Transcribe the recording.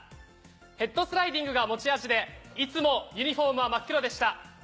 ヘッドスライディングが持ち味でいつもユニホームは真っ黒でした。